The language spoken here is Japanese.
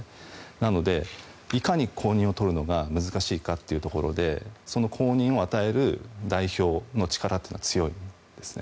なので、いかに公認を取るのが難しいかというところでその公認を与える代表の力は強いんですね。